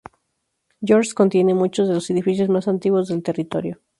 George's contiene muchos de los edificios más antiguos del territorio.